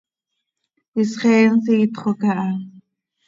Isxeen siitxo caha.